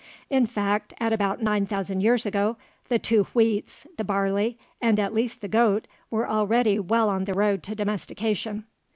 In fact, at about nine thousand years ago, the two wheats, the barley, and at least the goat, were already well on the road to domestication.